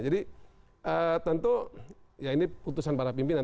jadi tentu ya ini putusan para pimpinan